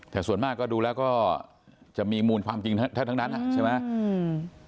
แต่ส่วนมากก็ดูแล้วก็จะมีมูลความจริงแทบทั้งนั้นอ่ะใช่ไหม